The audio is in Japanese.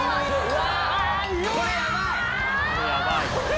うわ。